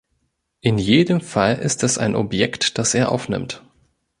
In jedem Fall ist es ein Objekt, das er aufnimmt.